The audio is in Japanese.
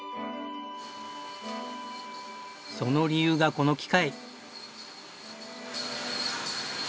その理由がこの機械。